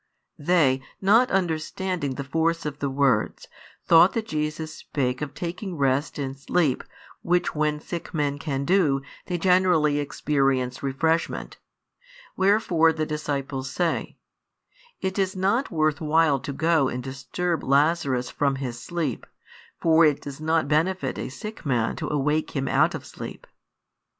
They, not understanding the force of the words, thought that Jesus spake of taking rest in sleep, which when sick men can do, they generally experience refreshment; wherefore the disciples say: "It is not worth while to go and disturb Lazarus from his sleep, for it does not benefit a sick man to awake him out of sleep."